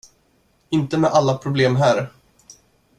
Inte med alla problem här.